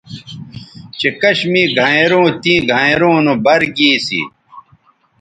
چہء کش می گھینئروں تیں گھینئروں نو بَر گی سی